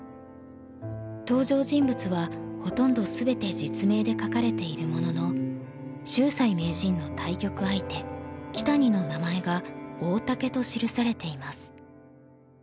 登場人物はほとんど全て実名で書かれているものの秀哉名人の対局相手木谷の名前が「大竹」と記されています。